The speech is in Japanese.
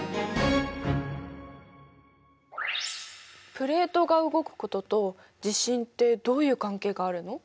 プレートが動くことと地震ってどういう関係があるの？